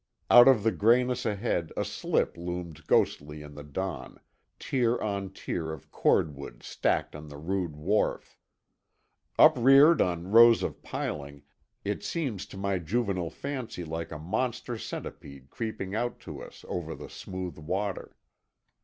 Out of the grayness ahead a slip loomed ghostly in the dawn, tier on tier of cordwood stacked on the rude wharf; upreared on rows of piling, it seems to my juvenile fancy like a monster centipede creeping out to us over the smooth water.